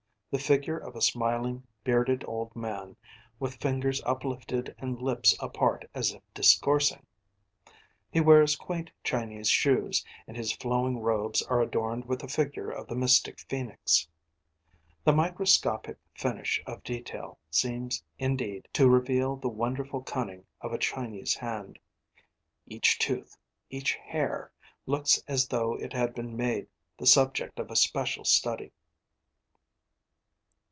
The figure of a smiling, bearded old man, with fingers uplifted and lips apart as if discoursing. He wears quaint Chinese shoes, and his flowing robes are adorned with the figure of the mystic phoenix. The microscopic finish of detail seems indeed to reveal the wonderful cunning of a Chinese hand: each tooth, each hair, looks as though it had been made the subject of a special study.